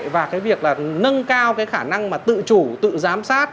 và cái việc là nâng cao cái khả năng mà tự chủ tự giám sát